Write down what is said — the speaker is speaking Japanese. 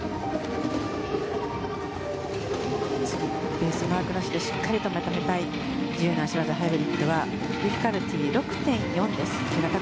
ベースマークなしでしっかりとまとめたい自由な脚技、ハイブリッドはディフィカルティー、６．４。